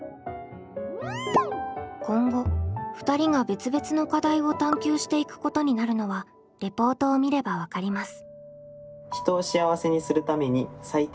今後２人が別々の課題を探究していくことになるのはレポートを見れば分かります。